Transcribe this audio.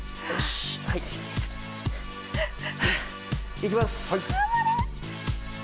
行きます。